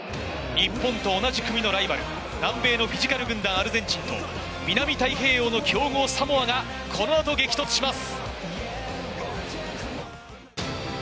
日本と同じ組のライバル、南米のフィジカル軍団・アルゼンチンと、南太平洋の強豪・サモアが、このあと激突します。